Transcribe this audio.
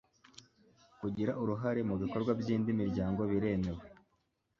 kugira uruhare mu bikorwa by indi miryango biremewe